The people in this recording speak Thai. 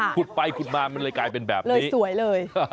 ขุดไปขุดมามันเลยกลายเป็นแบบนี้เลยสวยเลย